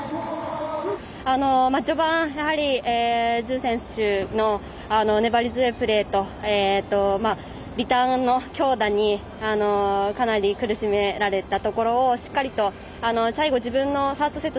序盤やはり朱選手の粘り強いプレーとリターンの強打にかなり苦しめられたところをしっかりと最後自分のファーストセット